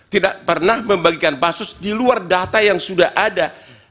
tidak pernah membagikan basus di luar data yang sudah ada